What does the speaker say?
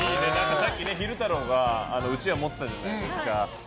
さっき昼太郎がうちわを持ってたじゃないですか。